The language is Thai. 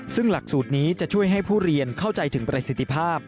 ซึ่งหลักสูตรนี้จะช่วยให้ผู้เรียนเข้าใจถึงประสิทธิภาพ